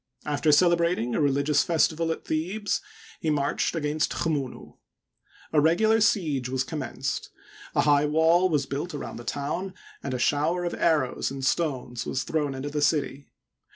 After celebrating a religious festival at Thebes he marched against Chmunu, A regular siege was commenced; a high wall was built around the town and a shower of arrows and stones was thrown into the city.